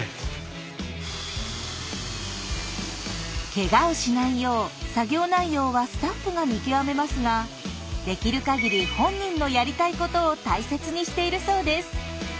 ケガをしないよう作業内容はスタッフが見極めますができるかぎり本人のやりたいことを大切にしているそうです。